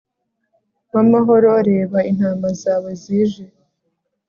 w'amahoro, reba intama zawe, zije